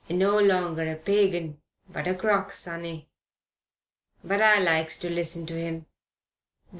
No longer a pagan, but a crock, sonny. But I likes to listen to him.